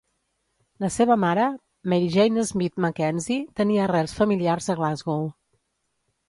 La seva mare Mary Jane Smith MacKenzie tenia arrels familiars a Glasgow.